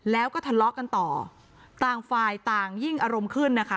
แล้วก็ทะเลาะกันต่อต่างฝ่ายต่างยิ่งอารมณ์ขึ้นนะคะ